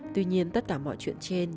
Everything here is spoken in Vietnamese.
tuy nhiên tất cả mọi chuyện trên